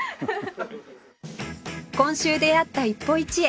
今週出会った一歩一会